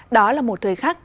đó là một thời khắc